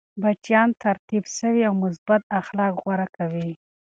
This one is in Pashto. بچيان تربیت سوي او مثبت اخلاق غوره کوي.